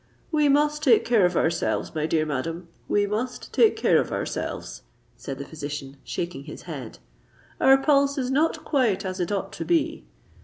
"We must take care of ourselves, my dear madam—we must take care of ourselves," said the physician, shaking his head: "our pulse is not quite as it ought to be.